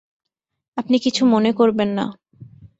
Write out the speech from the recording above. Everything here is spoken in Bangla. আপনি কিছু মনে করবেন না।